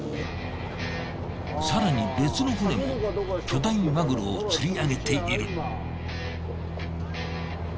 更に別の船も巨大マグロを釣り上げている。